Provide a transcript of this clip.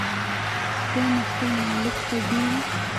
سپی مې خپل مالک ته ګوري.